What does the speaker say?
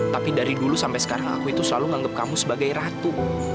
tapi dari dulu sampai sekarang aku itu selalu menganggap kamu sebagai ratu